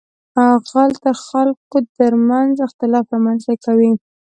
غل د خلکو تر منځ اختلاف رامنځته کوي